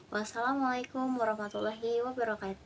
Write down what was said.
wassalamualaikum wr wb